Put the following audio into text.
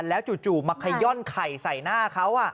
แล้วจู่มาขย่อนไข่ใส่หน้าเขา